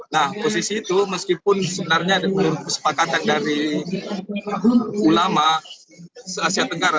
nah posisi itu meskipun sebenarnya ada kesepakatan dari ulama se asia tenggara